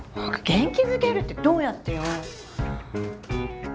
元気づけるってどうやってよ。